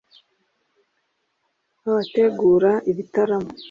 abategura ibitaramo